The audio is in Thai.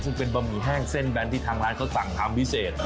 ซึ่งเป็นบะหมี่แห้งเส้นแบนที่ทางร้านเขาสั่งทำพิเศษ